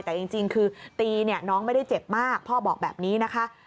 แต่จริงคือตีเนี่ยน้องไม่ได้เจ็บมากพ่อบอกแบบนี้นะคะ